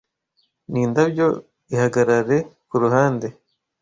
Nindabyo, ihagarare kuruhande;